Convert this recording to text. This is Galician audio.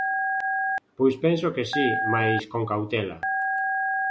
Pois penso que si, mais con cautela.